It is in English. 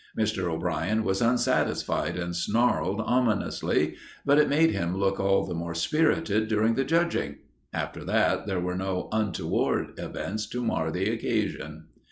Mr. O'Brien was unsatisfied and snarled ominously, but it made him look all the more spirited during the judging. After that there were no untoward events to mar the occasion.